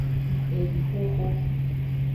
Edixoxo.